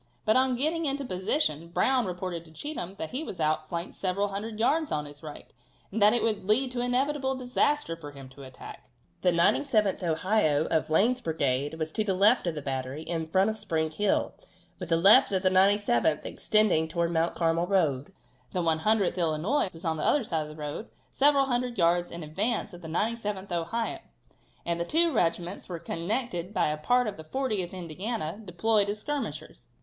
But on getting into position Brown reported to Cheatham that he was out flanked several hundred yards on his right, and that it would lead to inevitable disaster for him to attack. The 97th Ohio, of Lane's brigade, was to the left of the battery, in front of Spring Hill, with the left of the 97th extending towards Mount Carmel road. The 100th Illinois was on the other side of the road, several hundred yards in advance of the 97th Ohio, and the two regiments were connected by a part of the 40th Indiana deployed as skirmishers.